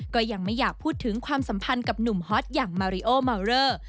ก็ยังไม่อยากพูดถึงความสัมพันธ์กับหนุ่มฮอตอย่างมาริโอเมาเลอร์